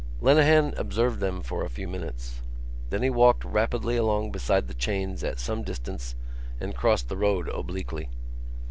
Lenehan observed them for a few minutes. Then he walked rapidly along beside the chains at some distance and crossed the road obliquely.